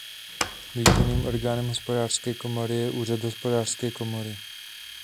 Výkonným orgánem Hospodářské komory je Úřad Hospodářské komory.